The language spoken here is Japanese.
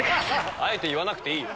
あえて言わなくていい。